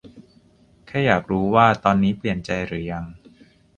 แค่อยากรู้ว่า ตอนนี้เปลี่ยนใจหรือยัง